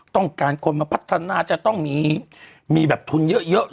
ต้องการคนมาพัฒนาจะต้องมีแบบทุนเยอะ